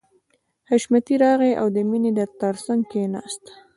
حشمتي راغی او د مینې تر څنګ کښېناست